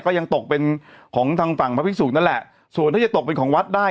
ก็ยังตกเป็นของทางฝั่งพระภิกษุนั่นแหละส่วนถ้าจะตกเป็นของวัดได้